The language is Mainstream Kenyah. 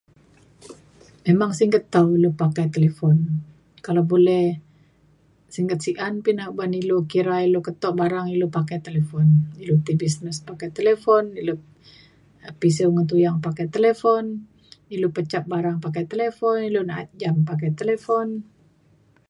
memang singget tau ilu pakai talifon. kalau boleh singget si’an pa ina uban ilu kira ilu keto barang ilu pakai talifon. ilu ti business pakai talifon. ilu pisiu ngan tuyang pakai telefon. ilu pecat barang pakai telefon. ilu na’at jam pakai telefon.